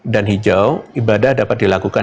dan hijau ibadah dapat dilakukan